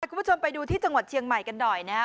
คุณผู้ชมไปดูที่จังหวัดเชียงใหม่กันหน่อยนะครับ